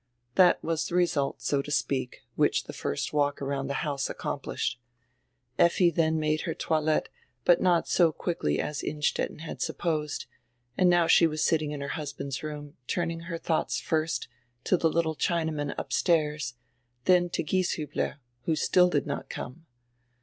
That was die result, so to speak, which die first walk around dirough die house accomplished. Effi dien made her toilette, hut not so quickly as Innstetten had supposed, and now she was sitting in her hushand's room, turning her dioughts first to die litde Chinaman upstairs, dien to Gieshiihler, who still did not come.